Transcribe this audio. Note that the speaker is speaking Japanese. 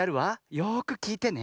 よくきいてね。